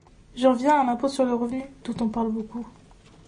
J’en viens à l’impôt sur le revenu, dont on parle beaucoup.